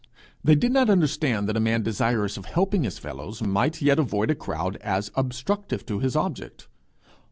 They did not understand that a man desirous of helping his fellows might yet avoid a crowd as obstructive to his object.